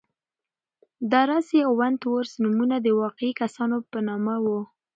دارسي او ونت وُرث نومونه د واقعي کسانو په نامه وو.